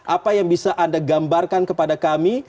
apa yang bisa anda gambarkan kepada kami